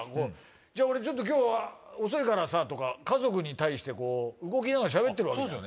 「じゃあ俺ちょっと今日は遅いからさ」とか家族に対して動きながらしゃべってるわけじゃん。